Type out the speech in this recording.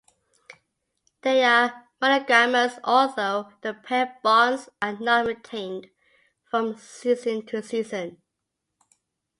They are monogamous, although the pair bonds are not maintained from season to season.